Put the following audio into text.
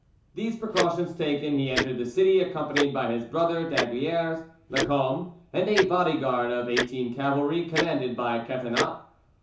These precautions taken, he entered the city, accompanied by his brother, d'Aygaliers, Lacombe, and a body guard of eighteen cavalry, commanded by Catinat.